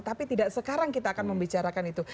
tapi tidak sekarang kita akan membicarakan itu